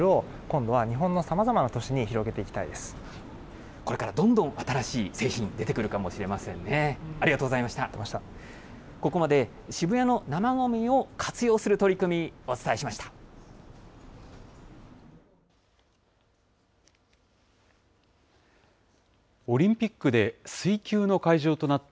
ここまで、渋谷の生ごみを活用する取り組み、お伝えしました。